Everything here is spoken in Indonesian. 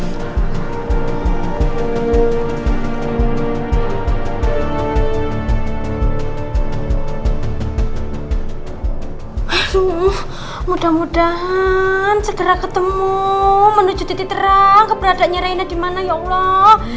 aduh mudah mudahan segera ketemu menuju titik terang keberadaknya rena di mana ya allah